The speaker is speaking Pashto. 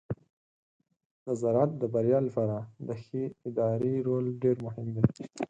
د زراعت د بریا لپاره د ښه ادارې رول ډیر مهم دی.